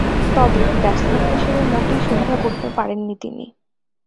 তবে, ব্যাটসম্যান হিসেবে মোটেই সুবিধা করতে পারেননি তিনি।